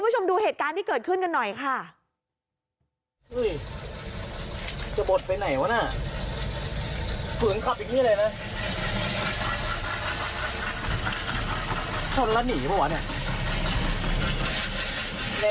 ชนแล้วหนีป่ะอ่ะเนี่ย